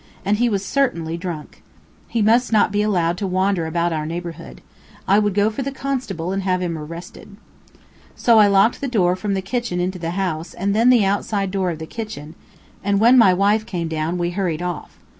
And he was certainly drunk. He must not be allowed to wander about our neighborhood. I would go for the constable and have him arrested. So I locked the door from the kitchen into the house and then the outside door of the kitchen, and when my wife came down we hurried off.